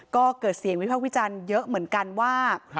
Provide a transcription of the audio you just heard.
ก็เกิดเสียงวิพากษ์วิจารณ์เยอะเหมือนกันว่า